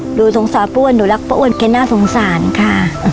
หนูสงสารอ้วนหนูรักป้าอ้วนแกน่าสงสารค่ะ